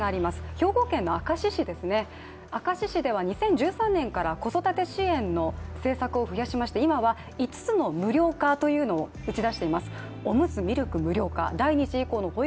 兵庫県の明石市ですね、明石市では２０１３年から子育て支援の政策を増やしまして、今は５つの無料化というのを打ち出しています。